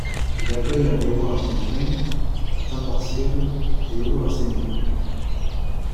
Il accueille environ à temps plein, à temps partiel et ou enseignants.